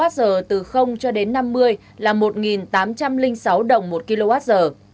bậc hai cho kwh từ cho đến năm mươi là một tám trăm linh sáu đồng một kwh